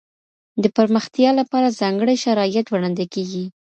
د پرمختیا لپاره ځانګړي شرایط وړاندې کیږي.